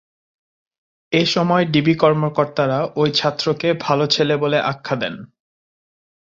এ সময় ডিবি কর্মকর্তারা ওই ছাত্রকে ‘ভালো ছেলে’ বলে আখ্যা দেন।